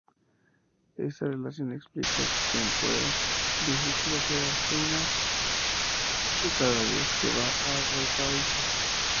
Esa relación explica que Ampuero visite La Sebastiana cada vez que va a Valparaíso.